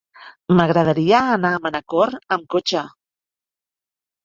M'agradaria anar a Manacor amb cotxe.